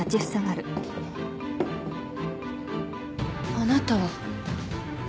あなたは。